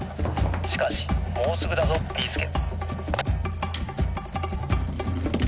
しかしもうすぐだぞビーすけ！」。